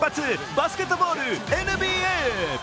バスケットボールＮＢＡ。